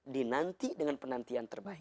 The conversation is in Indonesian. dinanti dengan pencarian terbaik